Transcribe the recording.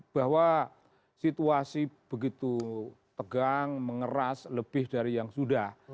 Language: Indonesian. bahwa situasi begitu tegang mengeras lebih dari yang sudah